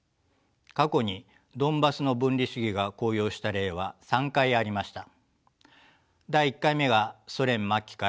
過去にドンバスの分離主義が高揚した例は３回ありました。